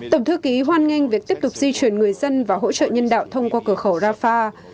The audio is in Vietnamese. tổng thư ký hoan nghênh việc tiếp tục di chuyển người dân và hỗ trợ nhân đạo thông qua cửa khẩu rafah